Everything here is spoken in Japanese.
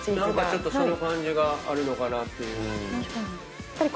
何かちょっとその感じがあるのかなっていう。